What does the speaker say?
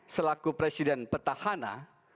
selaku presiden petahana